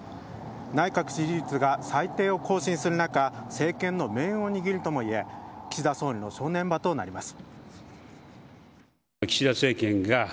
内閣支持率が最低を更新する中政権の命運を握るともいえ岸田総理の正念場となります。